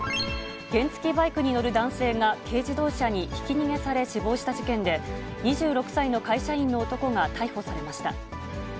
原付きバイクに乗る男性が軽自動車にひき逃げされ、死亡した事件で、２６歳の会社員の男が逮捕されました。